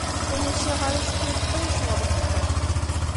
Ur n-usiɣ ara acku yeṭṭef-iyi cɣel deg uxxam.